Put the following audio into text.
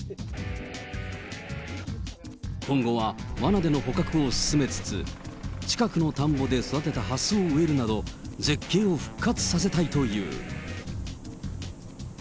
今後はわなでの捕獲を進めつつ、近くの田んぼで育てたハスを植えるなど、絶景を復活させたいという。